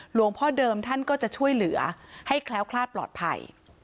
หลวงพ่อเดิมท่านก็จะช่วยเหลือให้แคล้วคลาดปลอดภัย